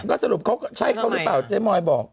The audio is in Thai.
ก็สรุปเขาใช่เขาหรือเปล่าเจ๊มอยบอก